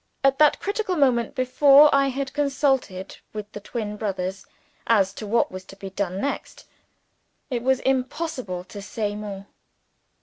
At that critical moment before I had consulted with the twin brothers as to what was to be done next it was impossible to say more.